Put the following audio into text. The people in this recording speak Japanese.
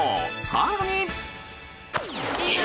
更に。